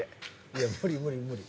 いや無理無理無理。